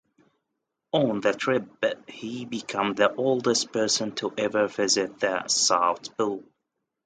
On the trip he became the oldest person to ever visit the South Pole.